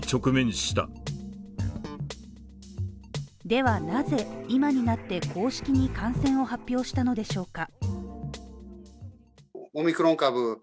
ではなぜ今になって公式に感染を発表したのでしょうか？